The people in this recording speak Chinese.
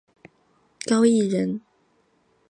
高翥人。